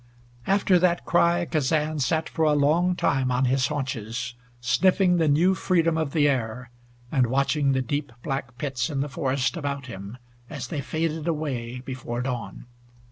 After that cry Kazan sat for a long time on his haunches, sniffing the new freedom of the air, and watching the deep black pits in the forest about him, as they faded away before dawn.